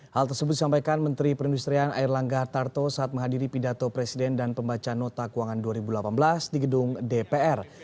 hal tersebut disampaikan menteri perindustrian air langga hartarto saat menghadiri pidato presiden dan pembaca nota keuangan dua ribu delapan belas di gedung dpr